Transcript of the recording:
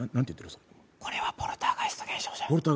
これはポルターガイスト現象や。